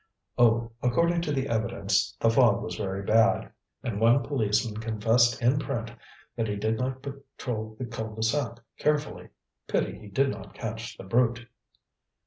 "Oh, according to the evidence the fog was very bad, and one policeman confessed in print that he did not patrol the cul de sac carefully. Pity he did not catch the brute."